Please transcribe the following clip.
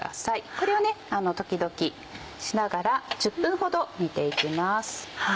これを時々しながら１０分ほど煮ていきます。